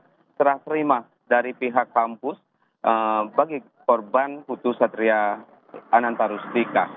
yang serah terima dari pihak kampus bagi korban iputu satria anantarustika